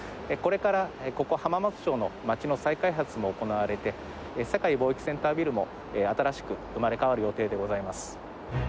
これからここ、浜松町の街の再開発も行われて、世界貿易センタービルも新しく生まれ変わる予定でございます。